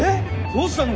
どうしたの？